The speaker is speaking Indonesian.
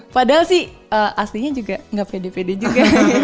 padahal sih aslinya juga nggak pede pede juga